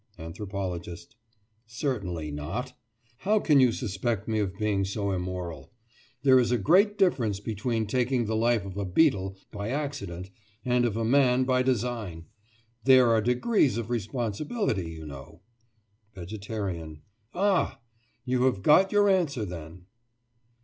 ANTHROPOLOGIST: Certainly not. How can you suspect me of being so immoral? There is a great difference between taking the life of a beetle by accident and of a man by design. There are degrees of responsibility, you know. VEGETARIAN: Ah! you have got your answer, then.